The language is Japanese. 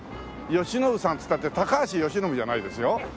よしのぶさんっつったって高橋由伸じゃないですよ。